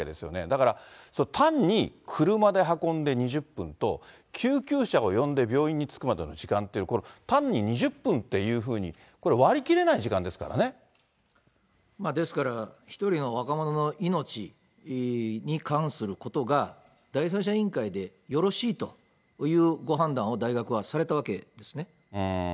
だから、単に車で運んで２０分と、救急車を呼んで病院に着くまでの時間って、これ単に２０分っていうふうにこれ、ですから、１人の若者の命に関することが、第三者委員会でよろしいというご判断を、大学はされたわけですね。